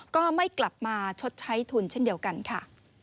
ก็ไม่กลับมาชดใช้ทุนเช่นเดียวกันค่ะ